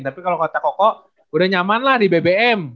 tapi kalau kota koko udah nyaman lah di bbm